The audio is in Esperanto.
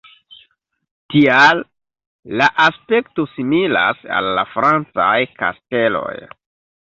Tial la aspekto similas al la francaj kasteloj.